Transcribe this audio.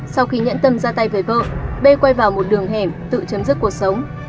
sau khi nhận tâm ra tay với vợ b quay vào một đường hẻm tự chấm dứt cuộc sống